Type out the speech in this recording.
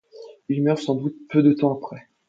Il meurt sans doute peu de temps après.